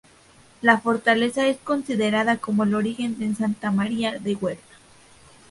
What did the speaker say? La fortaleza es considerada como el origen de Santa María de Huerta.